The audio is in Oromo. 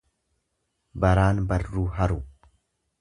Baraan barruu haru.